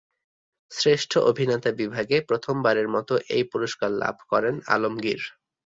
শ্রেষ্ঠ অভিনেতা বিভাগে প্রথমবারের মত এই পুরস্কার লাভ করেন আলমগীর।